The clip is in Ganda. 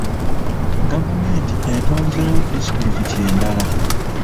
Gavumenti etonzeewo disitulikiti endala.